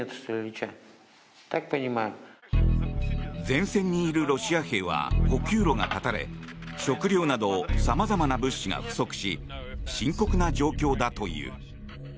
前線にいるロシア兵は補給路が断たれ食料など様々な物資が不足し深刻な状況だという。